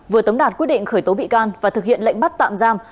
vừa tống đạt quyết định khởi tố bị can và thực hiện lệnh bắt tạm giam